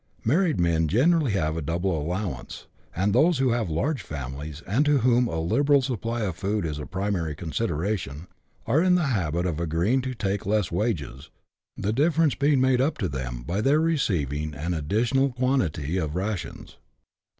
Married men generally have a double allowance, and those who have large families, and to whom a liberal supply of food is a primary consideration, are in the habit of agreeing to take less wages, the difference being made up to them by their receiving an addi tional quantity of rations.